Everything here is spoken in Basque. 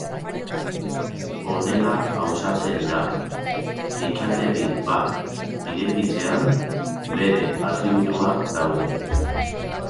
Honela gauzatzen da: fitxategi bat irekitzean, bere atributuak daude.